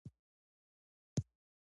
ښوونکي وویل چې پوهه د بریا کیلي ده.